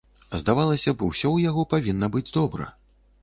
Здавалася б, усё ў яго павінна быць добра.